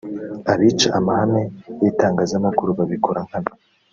Abica amahame y’itangazamakuru babikora nkana